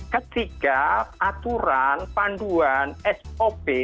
ketika aturan panduan sop